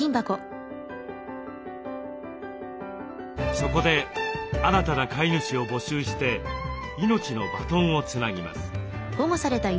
そこで新たな飼い主を募集して命のバトンをつなぎます。